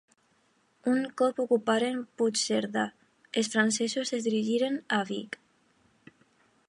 Un cop ocuparen Puigcerdà, els francesos es dirigiren a Vic.